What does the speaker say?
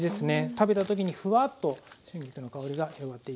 食べた時にフワッと春菊の香りが広がっていきます。